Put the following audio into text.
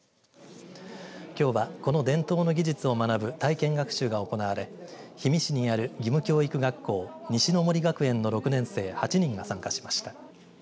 きょうは、この伝統の技術を学ぶ体験学習が行われ氷見市にある義務教育学校西の杜学園の６年生８人が参加しました。